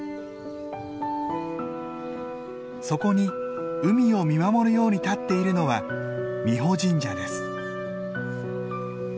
そこに海を見守るように立っているのは美保神社です。